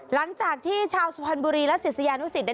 หลังจากที่ชาวสุพรรณบุรีและศิษยานุสิต